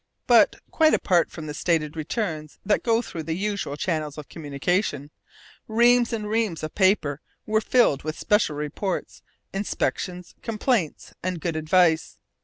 But, quite apart from the stated returns that go through 'the usual channel of communication,' reams and reams of paper were filled with special reports, inspections, complaints, and good advice.